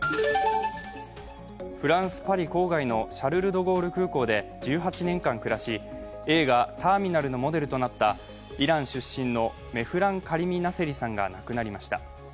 フランス・パリ郊外のシャルル・ド・ゴール空港で１８年間暮らし、映画「ターミナル」のモデルとなったイラン出身のメフラン・カリミ・ナセリさんが亡くなりました。